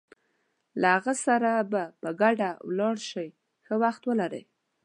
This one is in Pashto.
له هغه سره به په ګډه ولاړ شې، ښه وخت ولرئ.